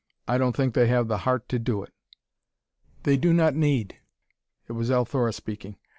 I don't think they have the heart to do it." "They do not need." It was Althora speaking.